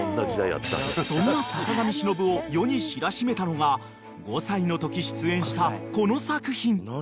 ［そんな坂上忍を世に知らしめたのが５歳のとき出演したこの作品］